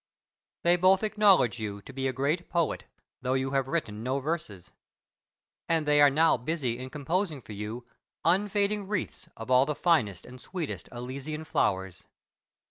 They both acknowledge you to be a great poet, though you have written no verses. And they are now busy in composing for you unfading wreaths of all the finest and sweetest Elysian flowers.